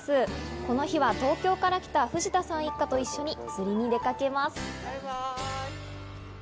この日は東京から来た藤田さん一家と一緒に釣りに出かけます。